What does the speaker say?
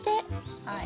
はい。